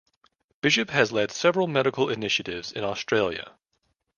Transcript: Bishop has led several medical initiatives in Australia.